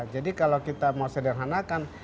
jadi kalau kita mau sederhanakan